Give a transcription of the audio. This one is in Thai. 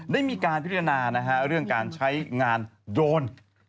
ได้มีการพิจารณาเรื่องการใช้งานโดรน